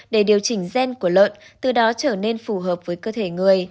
để điều chỉnh gen của lợn từ đó trở nên phù hợp với cơ thể người